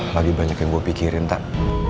lagi banyak yang gue pikirin tak